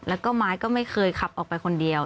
แล้วก็ไม้ก็ไม่เคยขับออกไปคนเดียว